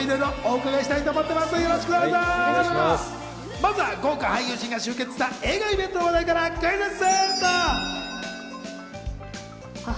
まずは豪華俳優陣が集結した映画イベントの話題からクイズッス。